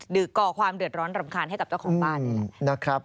หรือก่อความเดือดร้อนรำคาญให้กับเจ้าของบ้าน